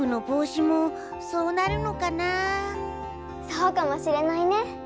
そうかもしれないね。